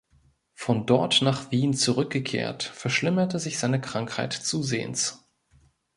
Von dort nach Wien zurückgekehrt, verschlimmerte sich seine Krankheit zusehends.